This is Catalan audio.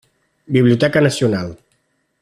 Biblioteca Nacional.